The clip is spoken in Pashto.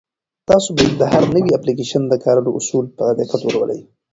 تاسو باید د هر نوي اپلیکیشن د کارولو اصول په دقت ولولئ.